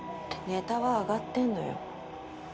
ネタは上がってんのよ。